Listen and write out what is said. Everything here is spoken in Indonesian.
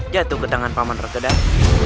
jatuh ke tangan paman rekening